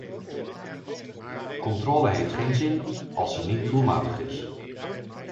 Controle heeft geen zin als ze niet doelmatig is.